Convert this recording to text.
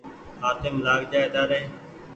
هآتيم لآگ جآئي تآري